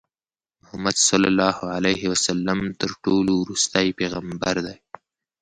محمدﷺ تر ټولو ورستی پیغمبر دی.